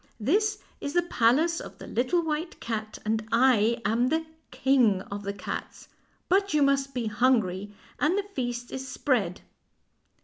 This is the palace of the Little White Cat, and I am the King of the Cats. But you must be hungry, and the feast is spread."